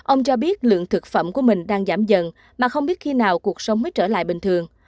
ông cho biết lượng thực phẩm của mình đang giảm dần mà không biết khi nào cuộc sống mới trở lại bình thường